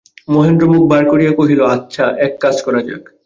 মহেন্দ্র মুখ ভার করিয়া কহিল, আচ্ছা, এক কাজ করা যাক।